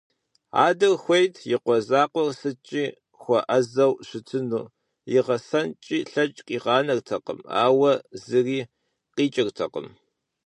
Адэр хуейт и къуэ закъуэр сытми хуэӀэзэу щытыну, игъэсэнкӀи лъэкӀ къигъанэртэкъым, ауэ зыри къикӀыртэкъым.